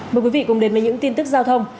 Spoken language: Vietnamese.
mời quý vị cùng đến với những tin tức giao thông